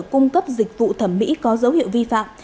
cung cấp dịch vụ thẩm mỹ có dấu hiệu vi phạm